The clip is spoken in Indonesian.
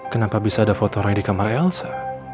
kenapa bisa ada foto rai di kamar elsa